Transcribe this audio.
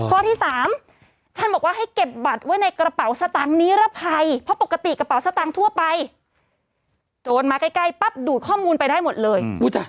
ข้อที่๓ท่านบอกว่าให้เก็บบัตรไว้ในกระเป๋าสตางค์นิรภัยเพราะปกติกระเป๋าสตางค์ทั่วไปโจรมาใกล้ปั๊บดูดข้อมูลไปได้หมดเลย